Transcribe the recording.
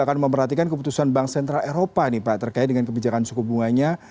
akan memperhatikan keputusan bank sentral eropa nih pak terkait dengan kebijakan suku bunganya